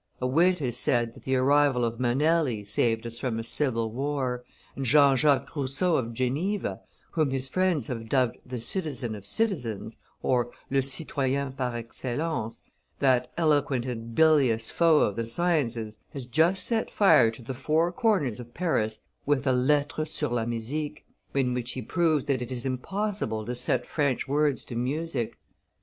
A wit has said that the arrival of Manelli saved us from a civil war; and Jean Jacques Rousseau of Geneva, whom his friends have dubbed the citizen of citizens (le citoyen par excellence), that eloquent and bilious foe of the sciences, has just set fire to the four corners of Paris with a Lettre sur la Musique, in which he proves that it is impossible to set French words to music.